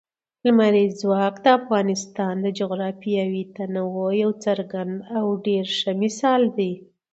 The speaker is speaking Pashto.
لمریز ځواک د افغانستان د جغرافیوي تنوع یو څرګند او ډېر ښه مثال دی.